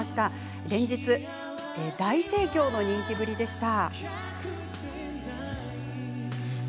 連日、大盛況の人気ぶりでした。